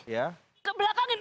ke belakang ini